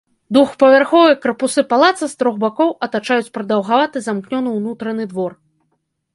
Двухпавярховыя карпусы палаца з трох бакоў атачаюць прадаўгаваты замкнёны ўнутраны двор.